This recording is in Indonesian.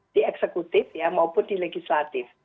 di eksekutif maupun di legislatif